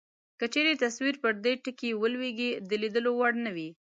که چیرې تصویر پر دې ټکي ولویږي د لیدلو وړ نه وي.